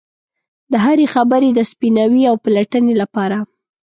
د هرې خبرې د سپیناوي او پلټنې لپاره.